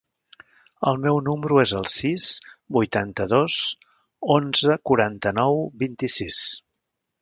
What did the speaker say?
El meu número es el sis, vuitanta-dos, onze, quaranta-nou, vint-i-sis.